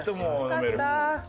よかった。